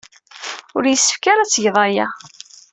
Ur yessefk ara ad tged aya.